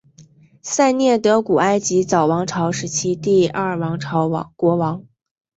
塞涅德古埃及早王朝时期第二王朝国王。